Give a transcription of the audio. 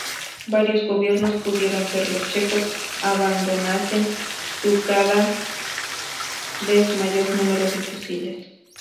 Varios gobiernos pidieron que los checos abandonasen su cada vez mayor número de fusiles.